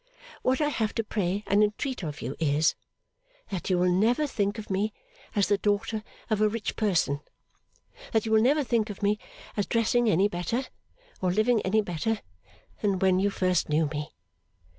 What I have to pray and entreat of you is, that you will never think of me as the daughter of a rich person; that you will never think of me as dressing any better, or living any better, than when you first knew me.